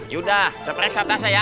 yaudah sepresap dah sayang